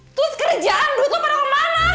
itu sekerjaan duit lo pada kemana